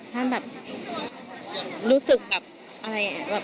ท่านแบบรู้สึกแบบอะไรอ่ะแบบ